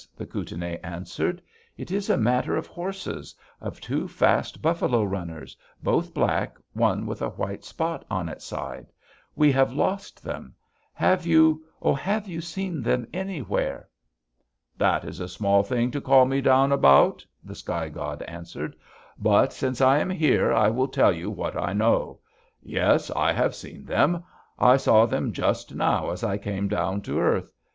the Kootenai answered. 'It is a matter of horses; of two fast buffalo runners; both black; one with a white spot on its side. We have lost them. Have you oh, have you seen them anywhere?' "'That is a small thing to call me down about,' the sky god answered; 'but, since I am here, I will tell you what I know: Yes, I have seen them. I saw them just now as I came down to earth.